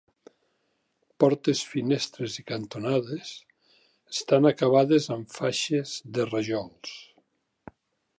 Portes, finestres i cantonades estan acabades amb faixes de rajols.